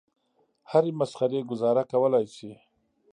هرې مسخرې ګوزاره کولای شي.